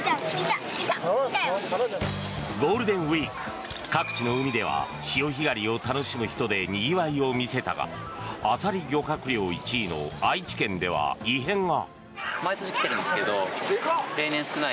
ゴールデンウィーク各地の海では潮干狩りを楽しむ人でにぎわいを見せたがアサリ漁獲量１位の愛知県では異変が。